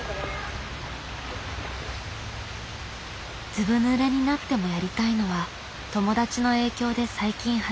ずぶぬれになってもやりたいのは友達の影響で最近始めたダンスの練習。